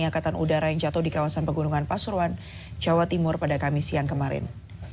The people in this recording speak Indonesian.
angkatan udara yang jatuh di kawasan pegunungan pasuruan jawa timur pada kamis siang kemarin